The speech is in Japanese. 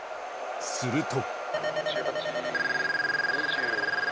すると。